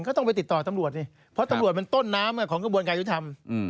ต้องไปติดต่อตำรวจสิเพราะตำรวจมันต้นน้ำของกระบวนการยุทธรรม